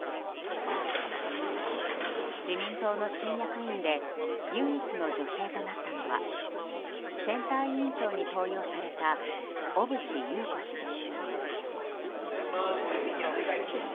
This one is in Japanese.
自民党の新役員で唯一の女性となったのは選対委員長に登用された小渕優子氏です。